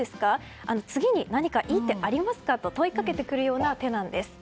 次に何かいい手ありますか？と問いかけてくるような手なんです。